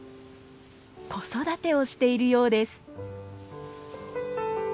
子育てをしているようです。